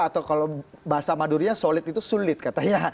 atau kalau bahasa madurinya solid itu sulit katanya